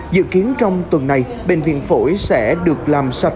dự kiến trong tuần này bệnh viện phổi sẽ được làm sạch theo quy định